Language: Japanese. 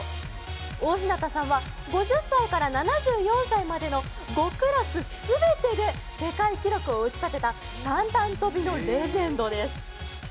大日向さんは、５０歳から７４歳までの５クラス全てで世界記録を打ち立てた三段跳びのレジェンドです。